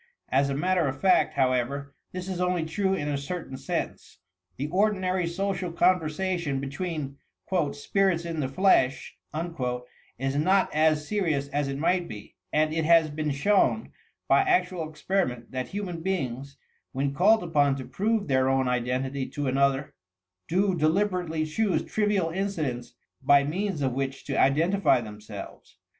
As a matter of fact, however, this is only true in a certain sense. The or dinary social conversation between "spirits in the flesh" is not as serious as it might be, and it has been shown by actual experiment that human beings, when called upon to prove their own identity to another, do delib erately choose trivial incidents by means of which to identify themselves.